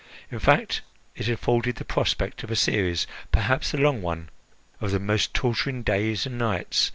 In fact, it afforded the prospect of a series perhaps a long one of the most torturing days and nights.